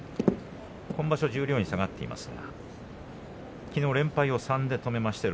今場所、十両に下がっていますがきのう連敗を３で止めました。